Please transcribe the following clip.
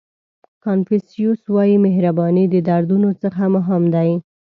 کانفیوسیس وایي مهرباني د دردونو څخه مهم دی.